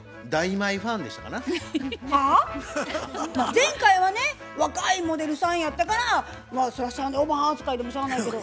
前回はね若いモデルさんやったからまあそれはしゃあないおばはん扱いでもしゃあないけど。